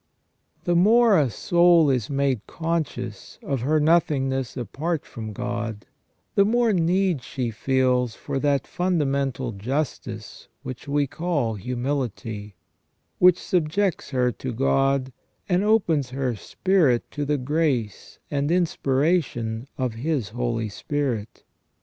'' The more a soul is made conscious of her nothingness apart from God, the more need she feels for that fundamental justice which we call humility, which subjects her to God, and opens her spirit to the grace and inspiration of His Holy Spirit.